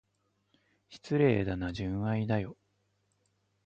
失礼だな、純愛だよ。